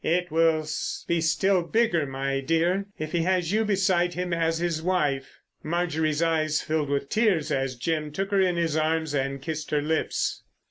It will be still bigger, my dear, if he has you beside him as his wife." Marjorie's eyes filled with tears as Jim took her in his arms and kissed her lips.